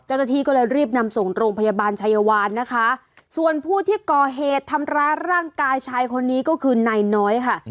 เจ้าหน้าที่ก็เลยรีบนำส่งโรงพยาบาลชัยวานนะคะส่วนผู้ที่ก่อเหตุทำร้ายร่างกายชายคนนี้ก็คือนายน้อยค่ะ